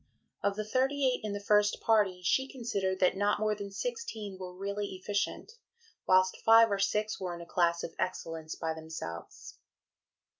Of the thirty eight in the first party, she considered that not more than sixteen were really efficient, whilst five or six were in a class of excellence by themselves.